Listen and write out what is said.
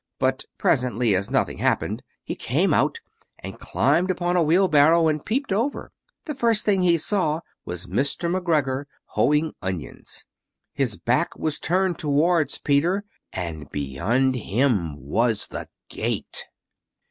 But presently, as nothing happened, he came out, and climbed upon a wheelbarrow and peeped over. The first thing he saw was Mr. McGregor hoeing onions. His back was turned towards Peter, and beyond him was the gate!